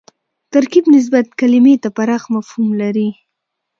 ترکیب نسبت کلیمې ته پراخ مفهوم لري